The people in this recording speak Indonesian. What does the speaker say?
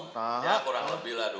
ya kurang lebih lah